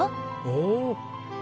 おお！